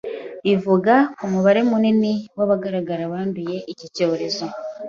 ivuga ku umubare munini w’abagaragara banduye iki cyorezo